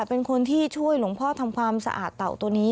เป็นคนที่ช่วยหลวงพ่อทำความสะอาดเต่าตัวนี้